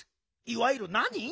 いわゆるなに？